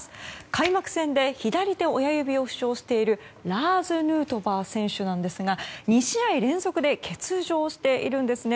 開幕戦で左手親指を負傷しているラーズ・ヌートバー選手なんですが２試合連続で欠場しているんですね。